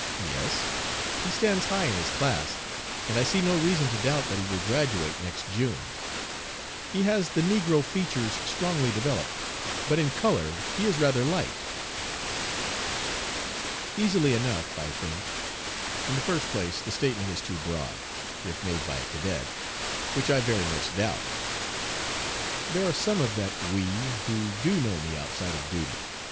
'Yes; he stands high in his class, and I see no reason to doubt that he will graduate next June. He has the negro features strongly developed, but in color he is rather light.'" Easily enough, I think. In the first place the statement is too broad, if made by a cadet, which I very much doubt. There are some of that "we" who do know me outside of duty.